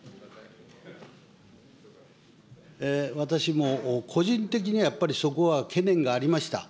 私も個人的にはやっぱりそこは懸念がありました。